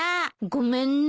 ごめんね。